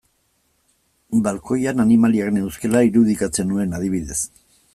Balkoian animaliak neuzkala irudikatzen nuen adibidez.